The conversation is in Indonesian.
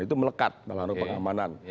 itu melekat melalui pengamanan